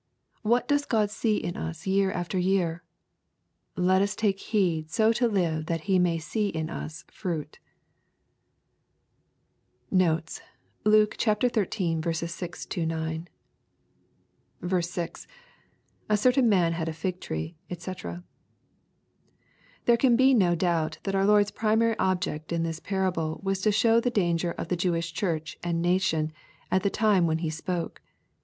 What doeg God see in us year after year ? Let us take heed so to live that He may see in us fruit. Notes. Luke XII I. 6 — 9. 6.— [^ certain man had a fig tree, <j&c.] There can be no doubt that our Lord's primary object in this parable was to show the danger of the Jewish Church and nation, at the time when He spoke.